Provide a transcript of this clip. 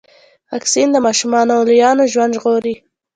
واکسین د ماشومانو او لویانو ژوند ژغوري.